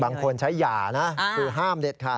บางคนใช้หย่านะคือห้ามเด็ดขาด